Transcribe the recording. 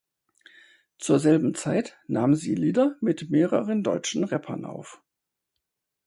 Zur selben Zeit nahm sie Lieder mit mehreren deutschen Rappern auf.